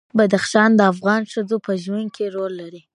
بدخشان د افغان ښځو په ژوند کې رول لري.